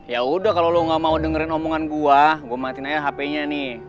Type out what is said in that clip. ya udah kalau lo gak mau dengerin omongan gue gue matiin aja hp nya nih